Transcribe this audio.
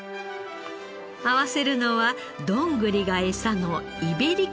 合わせるのはどんぐりがエサのイベリコ豚。